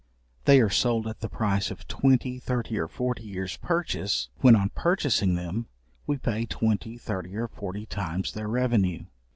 They are sold at the price of twenty, thirty, or forty years purchase, when on purchasing them we pay twenty, thirty, or forty times their revenue.